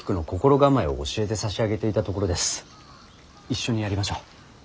一緒にやりましょう。